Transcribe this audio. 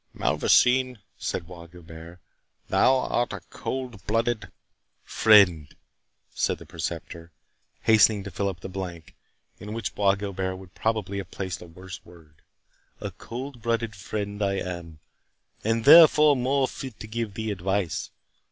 "Malvoisin," said Bois Guilbert, "thou art a cold blooded—" "Friend," said the Preceptor, hastening to fill up the blank, in which Bois Guilbert would probably have placed a worse word,—"a cold blooded friend I am, and therefore more fit to give thee advice.